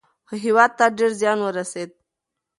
خو هیواد ته ډیر زیان ورسېد.